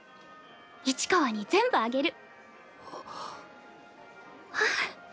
市川に全部あげる。